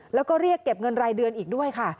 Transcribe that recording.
แล้วก็เรียกเก็บเงินรายเดือนอีกด้วยค่ะ